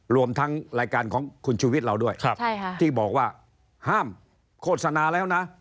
รวมทั้งรายการของคุณชูวิทย์เราด้วยที่บอกว่าห้ามโฆษณาแล้วนะ